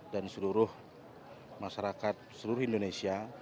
dan seluruh masyarakat seluruh indonesia